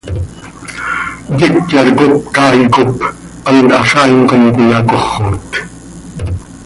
Yecyar cop caay cop hant hazaain com cöiyacoxot.